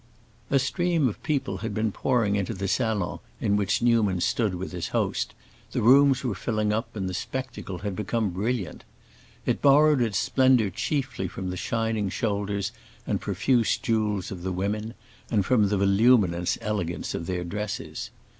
A stream of people had been pouring into the salon in which Newman stood with his host, the rooms were filling up and the spectacle had become brilliant. It borrowed its splendor chiefly from the shining shoulders and profuse jewels of the women, and from the voluminous elegance of their dresses.